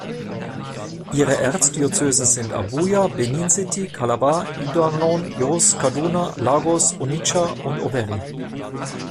Ihre Erzdiözesen sind: Abuja, Benin City, Calabar, Ibadan, Jos, Kaduna, Lagos, Onitsha und Owerri.